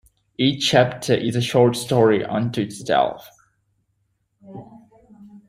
Each chapter is a short story unto itself.